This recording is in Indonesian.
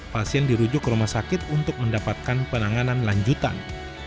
pasien dirujuk ke rumah sakit untuk mendapatkan penanganan lanjutan